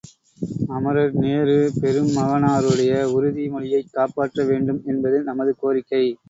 அமரர் நேரு பெருமகனாருடைய உறுதி மொழியைக் காப்பாற்ற வேண்டும் என்பது நமது கோரிக்கை!